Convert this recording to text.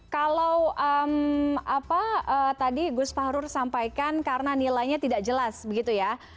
kalau apa tadi gus fahrur sampaikan karena nilainya tidak jelas begitu ya